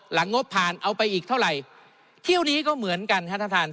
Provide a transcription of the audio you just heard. งบผ่านเอาไปอีกเท่าไหร่เที่ยวนี้ก็เหมือนกันฮะท่านท่าน